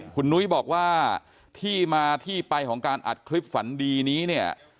คุณนุ้ยบอกว่าที่มาที่ไปของการอัดคลิปฝันดีนี้เนี่ย